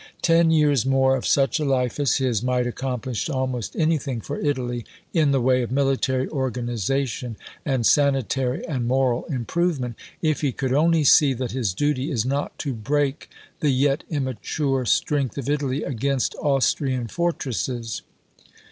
Ten years more of such a life as his might accomplish almost anything for Italy in the way of military organization and sanitary and moral improvement if he could only see that his duty is not to break the yet immature strength of Italy against Austrian fortresses."